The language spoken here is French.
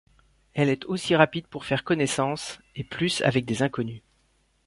Elle est aussi rapide pour faire connaissance... et plus, avec des inconnus.